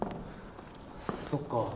そっか